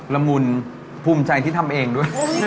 ละมุนภูมิใจที่ทำเองด้วย